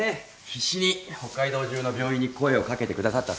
必死に北海道中の病院に声を掛けてくださったそうです。